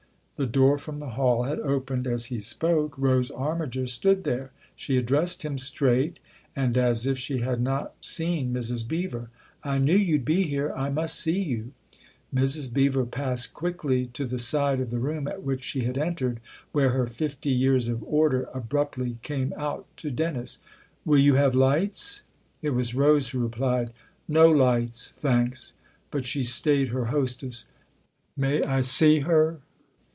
The door from the hall had opened as he spoke : Rose Armiger stood there. She addressed him straight and as if she had not seen Mrs. Beever. " I knew you'd be here I must see you." Mrs. Beever passed quickly to the side of the THE OTHER HOUSE 269 room at which she had entered, where her fifty years of order abruptly came out to Dennis. " Will you have lights ?" It was Rose who replied. "No lights, thanks." But she stayed her hostess. " May I see her